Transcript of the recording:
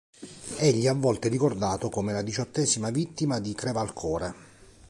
Egli è a volte ricordato come la diciottesima vittima di Crevalcore.